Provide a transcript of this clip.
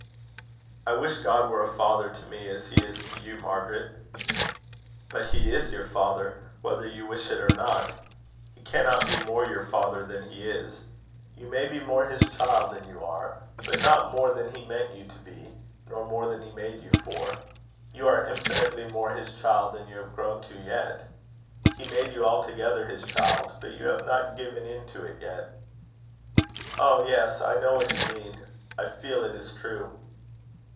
"I wish God were a father to me as he is to you, Margaret." "But he is your father, whether you wish it or not. He cannot be more your father than he is. You may be more his child than you are, but not more than he meant you to be, nor more than he made you for. You are infinitely more his child than you have grown to yet. He made you altogether his child, but you have not given in to it yet." "Oh! yes; I know what you mean. I feel it is true."